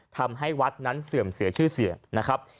ทำให้วัดนั้นเสื่อมเสียชื่อเสียงนะครับ